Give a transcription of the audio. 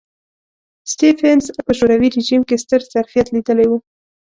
سټېفنس په شوروي رژیم کې ستر ظرفیت لیدلی و